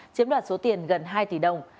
chiếm đoạt số tiền gần hai tỷ đồng